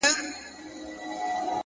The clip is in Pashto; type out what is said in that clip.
اخلاص د باور اړیکې ژوروي.